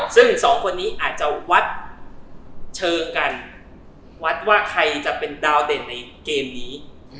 ซึ่งสองคนนี้อาจจะวัดเชิงกันวัดว่าใครจะเป็นดาวเด่นในเกมนี้